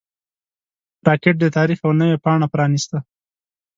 راکټ د تاریخ یوه نوې پاڼه پرانیسته